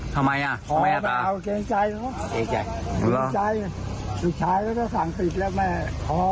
ทำไมล่ะทำไมล่ะตาเองใจสุดท้ายก็จะสั่งผิดแล้วแม่พอ